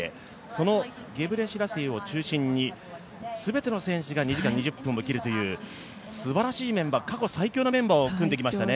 そのゲブレシラシエを中心に全ての選手が、２時間２０分を切るというすばらしいメンバー、過去最強のメンバーを組んできましたね。